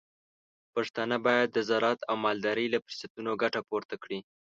پښتانه بايد د زراعت او مالدارۍ له فرصتونو ګټه پورته کړي.